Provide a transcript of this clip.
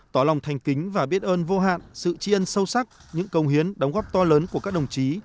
tỏ lòng thành kính và biết ơn vô hạn sự chi ân sâu sắc những công hiến đóng góp to lớn của các đồng chí